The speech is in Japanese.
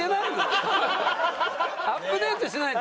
アップデートしないと。